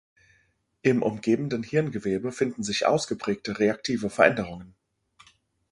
Im umgebenden Hirngewebe finden sich ausgeprägte reaktive Veränderungen.